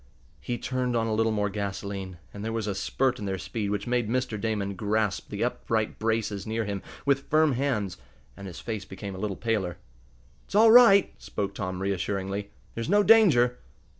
He turned on a little more gasoline, and there was a spurt in their speed which made Mr. Damon grasp the upright braces near him with firm hands, and his face became a little paler. "It's all right," spoke Tom, reassuringly. "There's no danger."